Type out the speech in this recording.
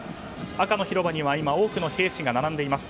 赤の広場には今多くの兵士が並んでいます。